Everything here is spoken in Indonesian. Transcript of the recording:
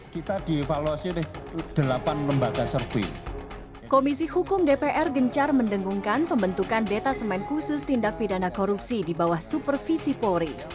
komisi hukum dpr gencar mendengungkan pembentukan detasemen khusus tindak pidana korupsi di bawah supervisi polri